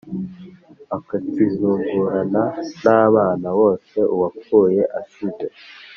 Akakizungurana n abana bose uwapfuye asize